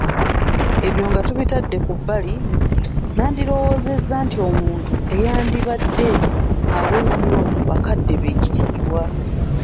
Ebyo nga tubitadde ku bbali, nandirowoozezza nti omuntu eyandibadde awa ennyo bakadde be ekitiibwa